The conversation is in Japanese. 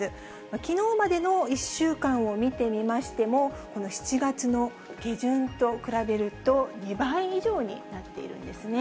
きのうまでの１週間を見てみましても、この７月の下旬と比べると、２倍以上になっているんですね。